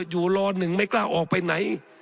อยู่ล้อหนึ่งไม่กล้าออกไปไหน